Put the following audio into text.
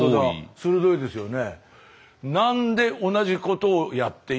鋭いですよね。